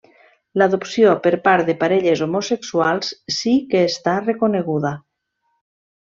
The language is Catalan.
L'adopció per part de parelles homosexuals sí que està reconeguda.